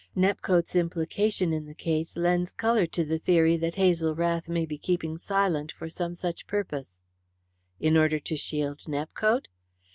Nepcote's implication in the case lends colour to the theory that Hazel Rath may be keeping silent for some such purpose." "In order to shield Nepcote?"